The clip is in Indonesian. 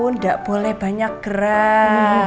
nggak boleh banyak gerak